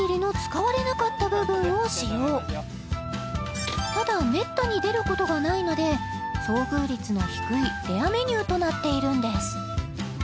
きゅう巻はただめったに出ることがないので遭遇率の低いレアメニューとなっているんです